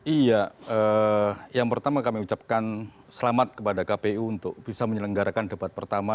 iya yang pertama kami ucapkan selamat kepada kpu untuk bisa menyelenggarakan debat pertama